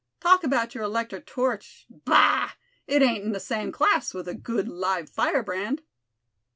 Talk about your electric torch, bah! it ain't in the same class with a good live firebrand."